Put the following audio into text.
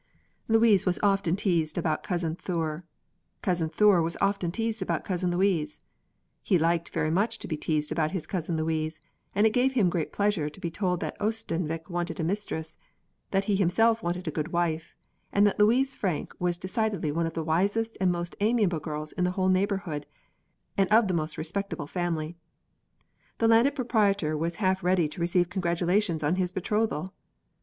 Louise was often teased about Cousin Thure; Cousin Thure was often teased about Cousin Louise. He liked very much to be teased about his Cousin Louise, and it gave him great pleasure to be told that Oestanvik wanted a mistress, that he himself wanted a good wife, and that Louise Frank was decidedly one of the wisest and most amiable girls in the whole neighborhood, and of the most respectable family. The Landed Proprietor was half ready to receive congratulations on his betrothal.